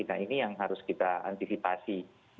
nah ini yang harus kita antisipasi